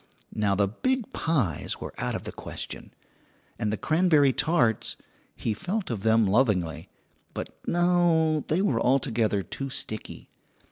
Now the big pies were out of the question, and the cranberry tarts he felt of them lovingly but no, they were altogether too sticky.